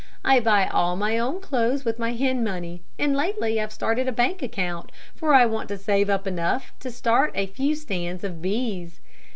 I buy all my own clothes with my hen money, and lately I've started a bank account, for I want to save up enough to start a few stands of bees.